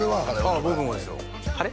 あ僕もですよ晴れ？